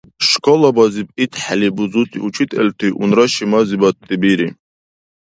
Школабазиб итхӀели бузути учителти унра шимазибадти бири.